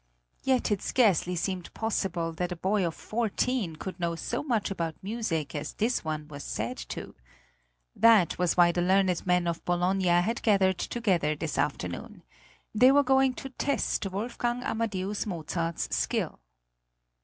Yet it scarcely seemed possible that a boy of fourteen could know so much about music as this one was said to. That was why the learned men of Bologna had gathered together this afternoon. They were going to test Wolfgang Amadeus Mozart's skill.